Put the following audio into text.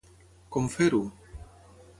Com fer-ho?